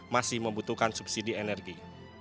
masih membutuhkan subsidi energi